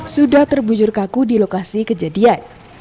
sudah terbujur kaku di lokasi kejadian